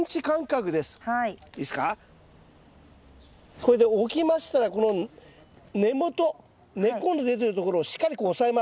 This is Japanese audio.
これで置きましたらこの根元根っこの出てるところをしっかりこう押さえます。